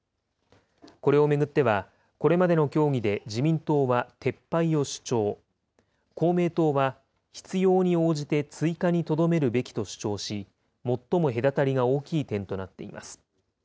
これを巡っては、これまでの協議で自民党は撤廃を主張、公明党は必要に応じて追加にとどめるべきと主張し、最も隔たりが大きい点となっています。